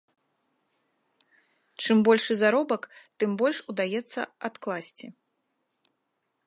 Чым большы заробак, тым больш удаецца адкласці.